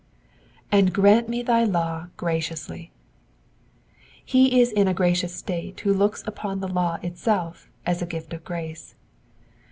^''And grant me thy law graciously,'^ ^ He is in a gracious state who looks upon the law itself as a gift of grace.